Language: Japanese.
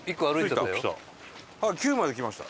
９まで来ました。